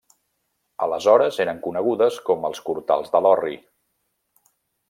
Aleshores eren conegudes com els cortals de l'Orri.